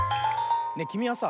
ねえきみはさ